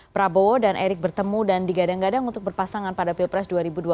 prabowo dan erick bertemu dan digadang gadang untuk berpasangan pada pilpres dua ribu dua puluh